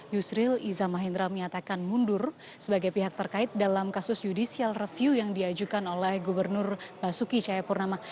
yusril iza mahendra menyatakan mundur sebagai pihak terkait dalam kasus judicial review yang diajukan oleh gubernur basuki cahayapurnama